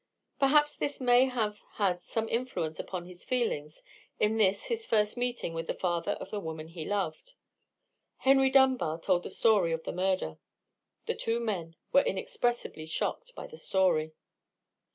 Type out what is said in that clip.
Perhaps this may have had some influence upon his feelings in this his first meeting with the father of the woman he loved. Henry Dunbar told the story of the murder. The two men were inexpressibly shocked by this story.